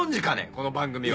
この番組は。